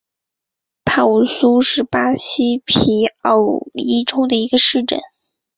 帕武苏是巴西皮奥伊州的一个市镇。